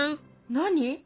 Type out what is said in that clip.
何？